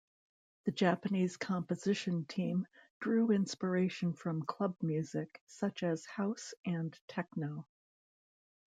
The Japanese composition team drew inspiration from club music, such as house and techno.